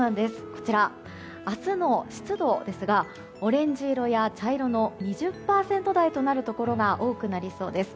こちら、明日の湿度ですがオレンジ色や茶色の２０％台となるところが多くなりそうです。